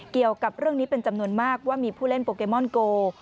เกี่ยวกับเรื่องนี้เป็นจำนวนมากว่ามีผู้เล่นโปเกมอนโก